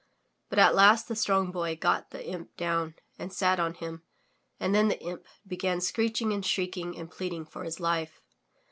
But at last the Strong Boy got the imp down and sat on him and then the imp began screeching and shrieking and pleading for his life.